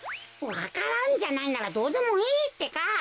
わか蘭じゃないならどうでもいいってか。